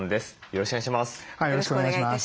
よろしくお願いします。